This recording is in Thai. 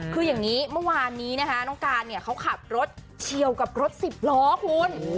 คืออย่างนี้เมื่อวานนี้นะคะน้องการเนี่ยเขาขับรถเฉียวกับรถสิบล้อคุณ